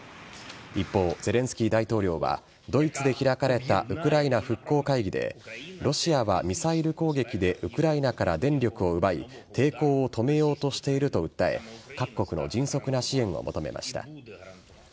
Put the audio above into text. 一方、ゼレンスキー大統領はドイツで開かれたウクライナ復興会議でロシアはミサイル攻撃でウクライナから電力を奪い抵抗を止めようとしていると訴え各国の迅速な支援を求めました。